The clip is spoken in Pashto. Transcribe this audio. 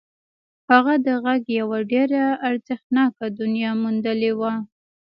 هغه د غږ یوه ډېره ارزښتناکه دنیا موندلې وه